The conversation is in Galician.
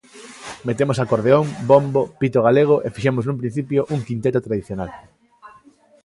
Metemos acordeón, bombo, pito galego e fixemos nun principio un quinteto tradicional.